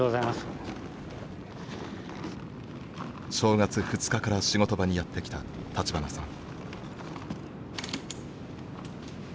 正月２日から仕事場にやって来た立花さん。